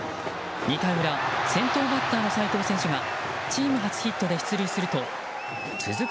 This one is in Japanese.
２回裏先頭バッターの齋藤選手がチーム初ヒットで出塁すると続く